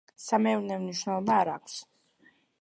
სამეურნეო მნიშვნელობა არ აქვს.